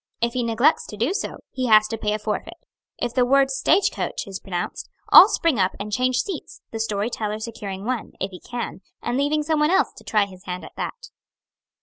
If he neglects to do so, he has to pay a forfeit. If the word stage coach is pronounced, all spring up and change seats; the story teller securing one, if he can and leaving some one else to try his hand at that."